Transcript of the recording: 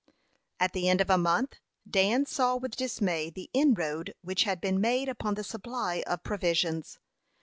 At the end of a month Dan saw with dismay the inroad which had been made upon the supply of provisions.